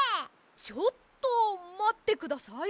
ちょっとまってください！